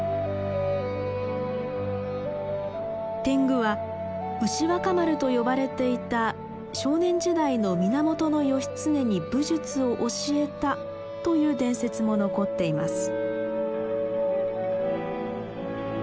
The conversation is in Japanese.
天狗は牛若丸と呼ばれていた少年時代の源義経に武術を教えたという伝説も残っています。